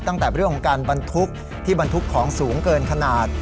ตั้งแต่เรื่องของการบรรทุกที่บรรทุกของสูงเกินขนาด